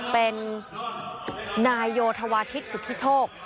เป็นนายโยธวาทิศสุธิโชค